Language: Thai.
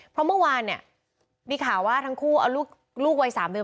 เพราะเมื่อวานเนี่ยมีข่าวว่าทั้งคู่เอาลูกวัย๓เดือน